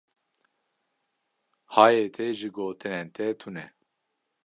Hayê te ji gotinên te tune.